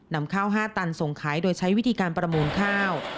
นำข้าว๕ตันส่งขายโดยใช้วิธีการประมูลข้าว